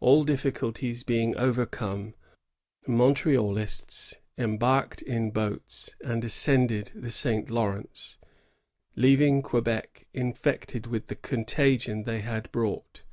1 All difficulties being overcome, the Montrealists embarked in boats and ascended the St. Lawrence, leaving Quebec infected with the contagion they had brought.